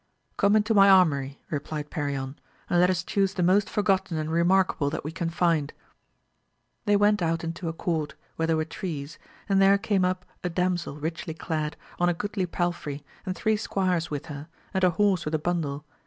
Come into my armoury, replied Perion, and let us chuse the most forgotten and remarkable that we can find. They went out into a court where there were trees, and there came up a damsel richly clad, on a goodly palfrey, and three squires with her, and a horse with a bundle.